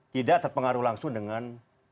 tidak terpengaruh langsung dengan